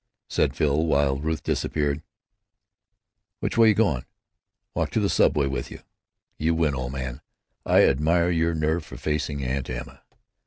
Said Phil, while Ruth disappeared: "Which way you going? Walk to the subway with you. You win, old man. I admire your nerve for facing Aunt Emma.